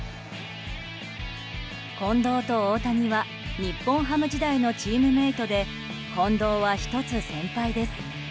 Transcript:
近藤と大谷は日本ハム時代のチームメートで近藤は１つ先輩です。